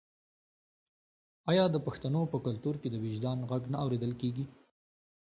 آیا د پښتنو په کلتور کې د وجدان غږ نه اوریدل کیږي؟